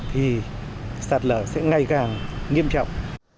thì sạt lở sẽ ngày càng nghiêm trọng